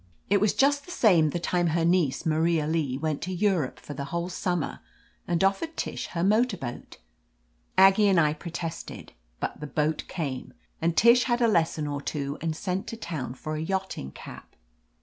It was just the same the time her niece, Maria Lee, went to Europe for the whole summer and offered Tish her motor boat. Aggie and I protested, but the boat came, and Tish had a lesson or two and sent to town for a yachting cap.